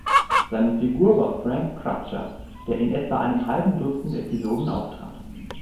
Seine Figur war Frank Crutcher, der in etwa einem halben Dutzend Episoden auftrat.